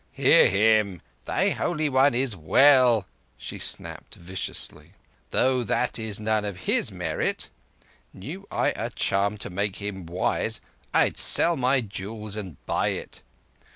"Hear him! Thy Holy One is well," she snapped viciously. "Though that is none of his merit. Knew I a charm to make him wise, I'd sell my jewels and buy it.